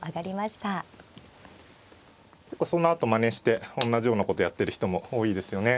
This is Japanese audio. そのあとまねしておんなじようなことやってる人も多いですよね。